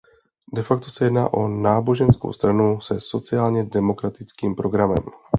De facto se jedná o náboženskou stranu se sociálně demokratickým programem.